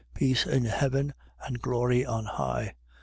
Peace in heaven and glory on high!